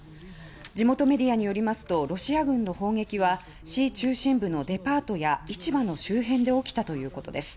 地元メディアによりますとロシア軍の砲撃は市中心部のデパートや市場の周辺で起きたということです。